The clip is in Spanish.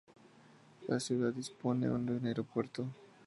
La ciudad dispone de un aeropuerto.